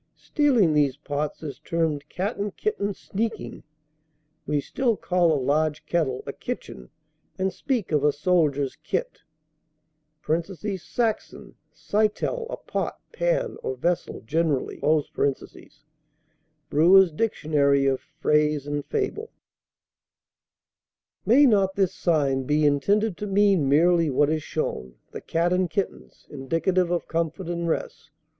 Stealing these pots is termed 'Cat and kitten sneaking.' We still call a large kettle a kitchen, and speak of a soldier's kit (Saxon, cytel, a pot, pan, or vessel generally)." BREWER'S Dictionary of Phrase and Fable. May not this sign be intended to mean merely what is shown, "The Cat and Kittens," indicative of comfort and rest?